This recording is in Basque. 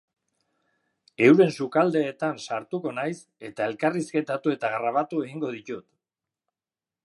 Euren sukaldeetan sartuko naiz eta elkarrizketatu eta grabatu egingo ditut.